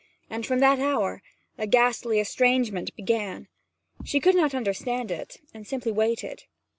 And from that hour a ghastly estrangement began. She could not understand it, and simply waited.